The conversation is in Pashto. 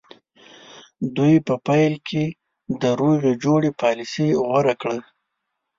دوی په پیل کې د روغې جوړې پالیسي غوره کړه.